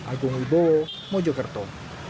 agung ibo mojokerto